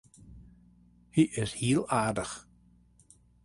Hy is hiel aardich.